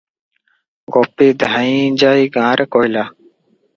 ଗୋପୀ ଧାଇଁ ଯାଇଁ ଗାଁରେ କହିଲା ।